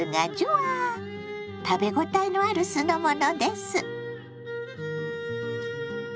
食べ応えのある酢の物です。